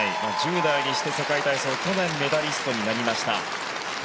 １０代にして世界体操去年、メダリストになりました。